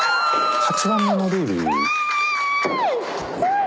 ８番目のルール。